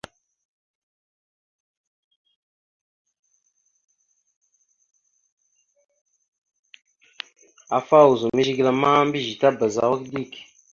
Afa ozum zigəla ma, mbiyez tabaz awak dik.